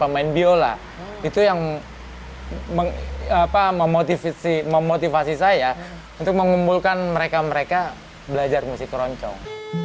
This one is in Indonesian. dan biola itu yang memotivasi saya untuk mengumpulkan mereka mereka belajar musik keroncong